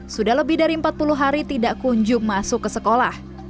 sudah lebih dari empat puluh hari tidak kunjung masuk ke sekolah